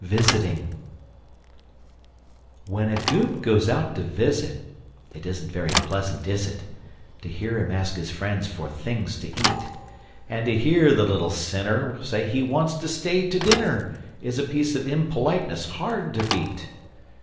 [Illustration: Visiting] VISITING When a Goop goes out to visit, 'T isn't very pleasant, is it, To hear him ask his friends for things to eat? And to hear the little sinner Say he wants to stay to dinner Is a piece of impoliteness hard to beat!